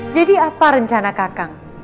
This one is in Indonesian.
jadi apa rencana kakang